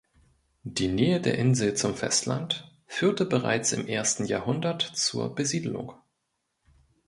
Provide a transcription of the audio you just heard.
Die Nähe der Insel zum Festland führte bereits im ersten Jahrhundert zur Besiedelung.